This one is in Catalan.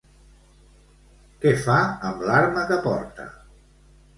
Què fa amb l'arma que porta?